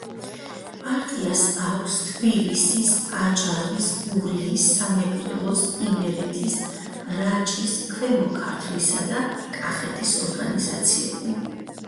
პარტიას აქვს თბილისის, აჭარის, გურიის, სამეგრელოს, იმერეთის, რაჭის, ქვემო ქართლისა და კახეთის ორგანიზაციები.